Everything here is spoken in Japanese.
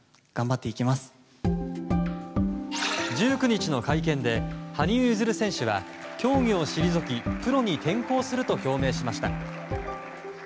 １９日の会見で羽生結弦選手は競技を退きプロに転向すると表明しました。